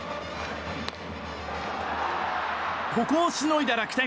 ここをしのいだ楽天。